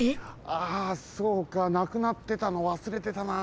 あそうかなくなってたのわすれてたな。